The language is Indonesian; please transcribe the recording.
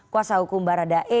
kuasa hukum baradae